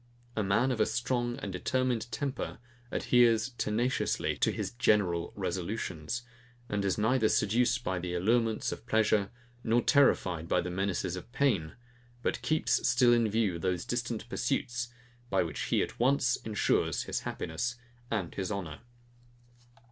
A man of a strong and determined temper adheres tenaciously to his general resolutions, and is neither seduced by the allurements of pleasure, nor terrified by the menaces of pain; but keeps still in view those distant pursuits, by which he, at once, ensures his happiness and his honour.